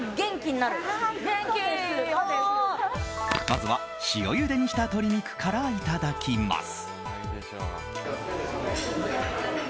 まずは塩ゆでにした鶏肉からいただきます。